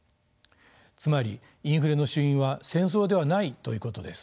つまりインフレの主因は戦争ではないということです。